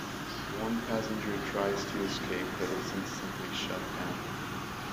One passenger tries to escape but is instantly shot down.